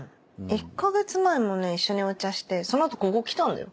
１か月前もね一緒にお茶してその後ここ来たんだよ。